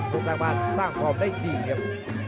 ทุกท่านบ้านสร้างพร้อมได้ดีครับ